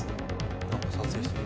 なんか撮影してる。